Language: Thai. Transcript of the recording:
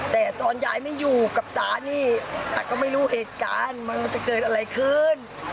แต่ตอนยายไม่อยู่กับตานี่ตาก็ไม่รู้เหตุการณ์มันจะเกิดอะไรขึ้น